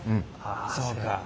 そうか。